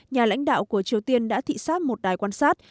nhà lãnh đạo của triều tiên đã thị xát một đài quan sát